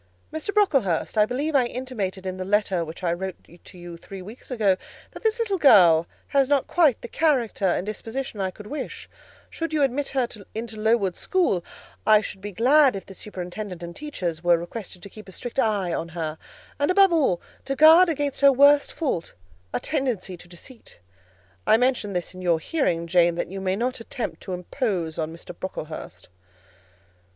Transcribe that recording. "Mr. Brocklehurst, I believe I intimated in the letter which I wrote to you three weeks ago, that this little girl has not quite the character and disposition I could wish: should you admit her into Lowood school, I should be glad if the superintendent and teachers were requested to keep a strict eye on her, and, above all, to guard against her worst fault, a tendency to deceit. I mention this in your hearing, Jane, that you may not attempt to impose on Mr. Brocklehurst."